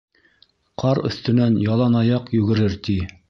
Ҡар өҫтөнән ялан аяҡ йүгерер, ти.